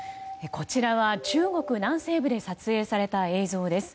こちらは中国南西部で撮影された映像です。